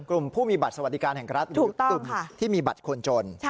กลุ่มผู้มีบัตรสวัสดิการแห่งรัฐหรือกลุ่มที่มีบัตรคนจน